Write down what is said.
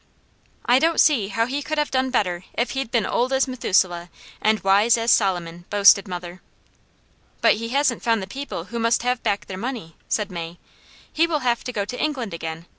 "I don't see how he could have done better if he'd been old as Methuselah, and wise as Solomon," boasted mother. "But he hasn't found the people who must have back their money," said May. "He will have to go to England again.